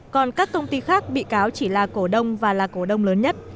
còn các công ty khác bị cáo chỉ là cổ đông và là cổ đông lớn nhất